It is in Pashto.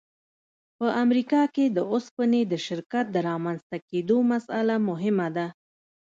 په امریکا کې د اوسپنې د شرکت د رامنځته کېدو مسأله مهمه ده